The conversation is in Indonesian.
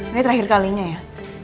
ini terakhir kalinya ya